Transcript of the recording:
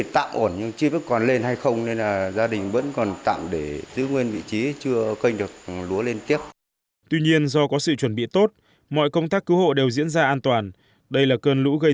tuy nhiên do có sự chuẩn bị tốt mọi công tác cứu hộ đều diễn ra an toàn đây là cơn lũ gây